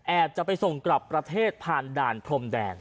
จะไปส่งกลับประเทศผ่านด่านพรมแดน